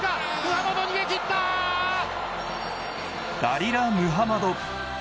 ダリラ・ムハマド。